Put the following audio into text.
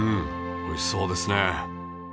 美味しそうですね。